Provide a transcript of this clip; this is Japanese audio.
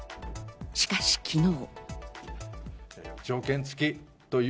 しかし、昨日。